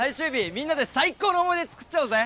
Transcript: みんなで最高の思い出作っちゃおうぜ！